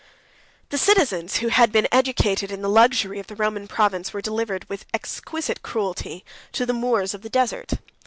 100 IV. The citizens who had been educated in the luxury of the Roman province, were delivered, with exquisite cruelty, to the Moors of the desert.